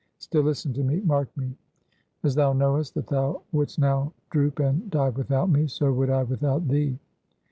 Still, listen to me; mark me. As thou knowest that thou wouldst now droop and die without me; so would I without thee.